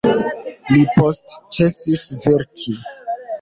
Li poste ĉesis verki.